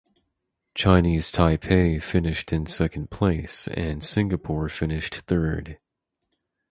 Chinese Taipei finished in second place and Singapore finished third.